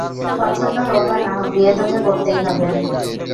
পছন্দ হোক বা না হোক, বিয়ে তোকে করতেই হবে।